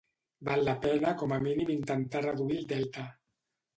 Val la pena com a mínim intentar reduir el delta.